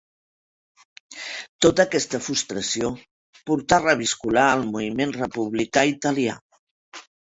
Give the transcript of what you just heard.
Tota aquesta frustració portà a reviscolar el moviment republicà italià.